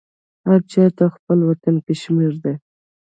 هر چا ته خپل وطن کشمیر دی